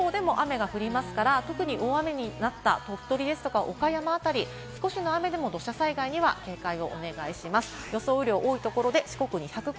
太平洋側だけじゃなくて、日本海側、中国地方でも雨が降りやすいですから、特に大雨になった鳥取や岡山辺り、少しの雨でも土砂災害には警戒お願いします。